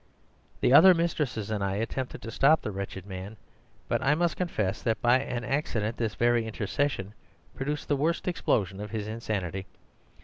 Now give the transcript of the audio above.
The other mistresses and I attempted to stop the wretched man, but I must confess that by an accident this very intercession produced the worst explosion of his insanity.